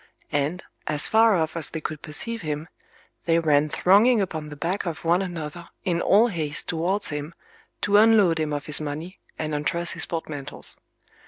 And, as far off as they could perceive him, they ran thronging upon the back of one another in all haste towards him, to unload him of his money, and untruss his portmantles.